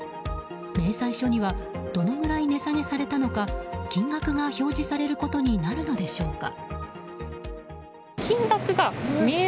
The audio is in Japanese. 明細書にはどのぐらい値下げされたのか金額が表示されることになるのでしょうか。